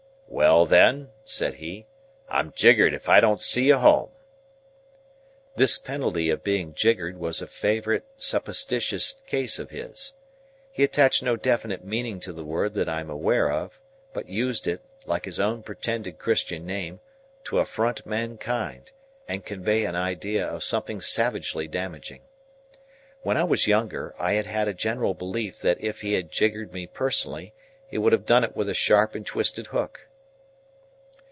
"Well, then," said he, "I'm jiggered if I don't see you home!" This penalty of being jiggered was a favourite supposititious case of his. He attached no definite meaning to the word that I am aware of, but used it, like his own pretended Christian name, to affront mankind, and convey an idea of something savagely damaging. When I was younger, I had had a general belief that if he had jiggered me personally, he would have done it with a sharp and twisted hook.